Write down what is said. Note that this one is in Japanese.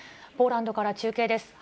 ポーランドから中継です。